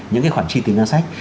những cái khoản chi từ ngân sách